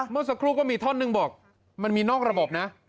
เมื่อสักครู่ก็มีท่อนหนึ่งบอกมันมีนอกระบบนะ